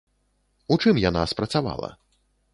У чым яна спрацавала?